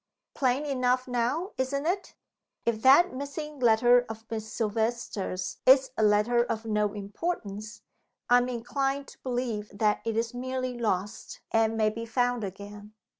"Plain enough now isn't it? If that missing letter of Miss Silvester's is a letter of no importance, I am inclined to believe that it is merely lost, and may be found again.